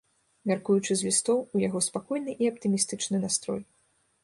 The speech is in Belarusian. Мяркуючы з лістоў, у яго спакойны і аптымістычны настрой.